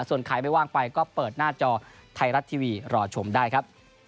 ส่วนใครไม่ว่างไปก็เปิดหน้าจอไทยรัฐทีวีรอชมได้ครับ